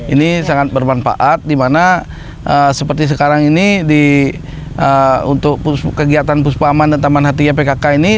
ini sangat bermanfaat di mana seperti sekarang ini untuk kegiatan puspa aman dan taman hatinya pkk ini